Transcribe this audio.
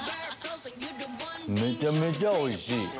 めちゃめちゃおいしい！